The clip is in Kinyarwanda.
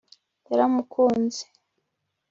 yaramukunze